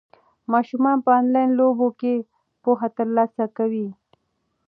ماشومان په انلاین لوبو کې پوهه ترلاسه کوي.